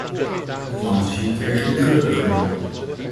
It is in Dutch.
Het land is hier terecht niet gelukkig mee.